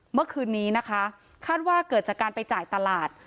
เมื่อคืนนี้นะคะคาดว่าเกิดจากการไปจ่ายตลาด